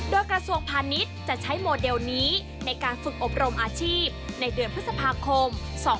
โดยกระทรวงพาณิชย์จะใช้โมเดลนี้ในการฝึกอบรมอาชีพในเดือนพฤษภาคม๒๕๖๒